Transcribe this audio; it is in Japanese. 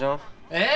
えっ？